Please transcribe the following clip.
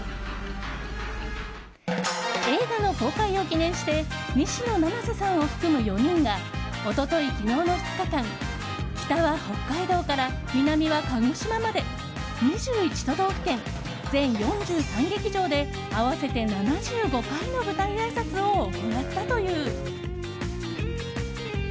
映画の公開を記念して西野七瀬さんを含む４人が一昨日、昨日の２日間北は北海道から南は鹿児島まで２１都道府県、全４３劇場で合わせて７５回も舞台あいさつを行ったという。